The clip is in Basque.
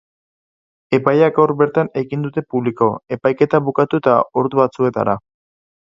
Epaia gaur bertan egin dute publiko, epaiketa bukatu eta ordu batzuetara.